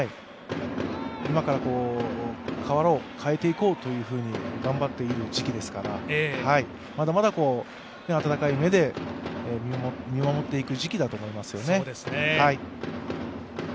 今から変わろう、変えていこうと頑張っている時期ですからまだまだ温かい目で見守っていく時期だと思いますよね。